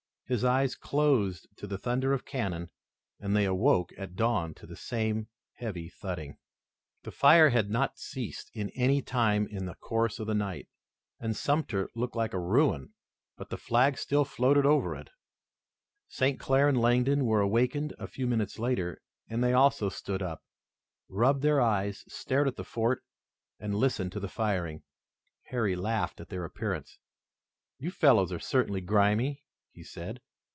His eyes closed to the thunder of cannon and they awoke at dawn to the same heavy thudding. The fire had not ceased at any time in the course of the night, and Sumter looked like a ruin, but the flag still floated over it. St. Clair and Langdon were awakened a few minutes later, and they also stood up, rubbed their eyes, stared at the fort and listened to the firing. Harry laughed at their appearance. "You fellows are certainly grimy," he said.